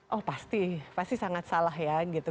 oh pasti pasti sangat salah ya gitu